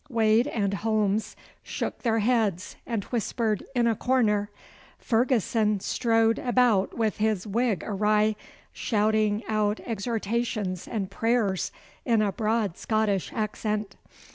Wade and Holmes shook their heads and whispered in a corner. Ferguson strode about with his wig awry, shouting out exhortations and prayers in a broad Scottish accent.